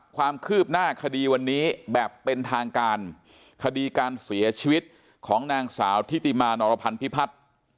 ความคืบหน้าคดีวันนี้แบบเป็นทางการคดีการเสียชีวิตของนางสาวทิติมานรพันธิพัฒน์